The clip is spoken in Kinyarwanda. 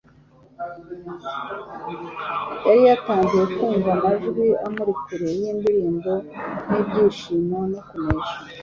Yari yatangiye kumva amajwi amuri kure y'indirimbo n'ibyishimo no kunesha